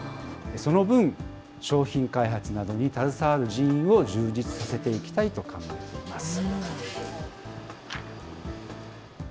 その分、商品開発などに携わる人員を充実させていきたいと考えています。